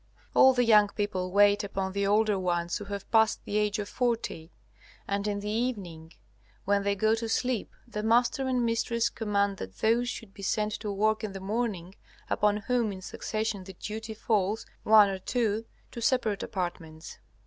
All the young people wait upon the older ones who have passed the age of forty, and in the evening when they go to sleep the master and mistress command that those should be sent to work in the morning, upon whom in succession the duty falls, one or two to separate apartments.